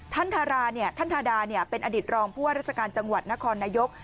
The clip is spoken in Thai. ท่านธาราท่านธาราเป็นอดิตรองพ่อรัชกาลจังหวัดนครนายก